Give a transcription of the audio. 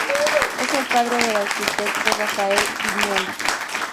Es el padre del arquitecto Rafael Viñoly.